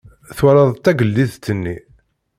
Twalaḍ tagellidt-nni?